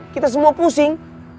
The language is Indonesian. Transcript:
kita semua pusing